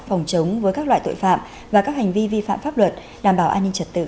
phòng chống với các loại tội phạm và các hành vi vi phạm pháp luật đảm bảo an ninh trật tự